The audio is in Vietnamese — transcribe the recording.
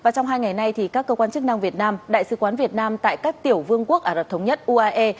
trong hai ngày nay các cơ quan chức năng việt nam đại sứ quán việt nam tại các tiểu vương quốc ả rập thống nhất uae